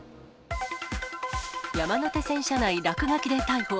山手線車内落書きで逮捕。